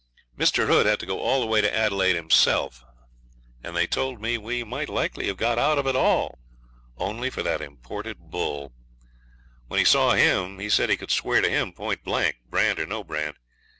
Mr. Hood had to go all the way to Adelaide himself, and they told me we might likely have got out of it all, only for the imported bull. When he saw him he said he could swear to him point blank, brand or no brand.